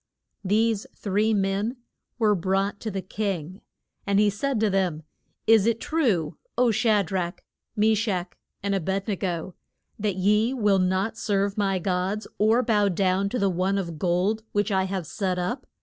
These three men were brought to the king, and he said to them, Is it true, O Sha drach, Me shach, and A bed ne go that ye will not serve my gods or bow down to the one of gold which I have set up?